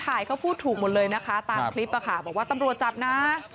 ถ้าถ่ายเขาพูดถูกหมดเลยนะครับตามคลิปบอกว่าตำรวจจับนะ